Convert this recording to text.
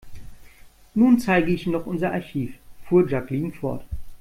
Nun zeige ich Ihnen noch unser Archiv, fuhr Jacqueline fort.